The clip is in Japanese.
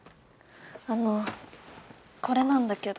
あのこれなんだけど。